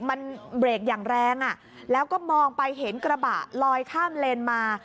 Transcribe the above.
มันเบรกอย่างแรงอ่ะแล้วก็มองไปเห็นกระบะลอยข้ามเลนมา